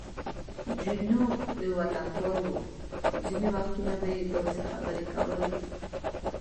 جینو یو وطنپال و، ځینې وختونه به یې داسې خبرې کولې.